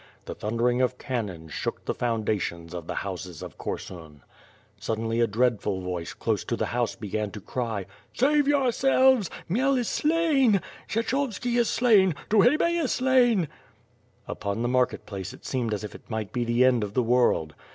The thundering of cannon shook the foundations of the houses of Korsun. vSudd'^nly a dreadful voice, close to the house, began to cry: "Save yourselves, Khmel is slain! Kshechovski is slain! Tukhay Bey is slain!'' Upon the market place it seemed as if 't might be the end of the world.